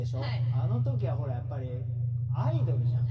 あのときはほらやっぱり、アイドルじゃん。